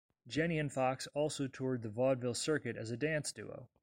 Jenny and Fox also toured the vaudeville circuit as a dance duo.